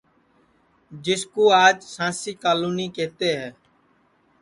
جِسکُو آج سانٚسی کالونی کیہتے ہے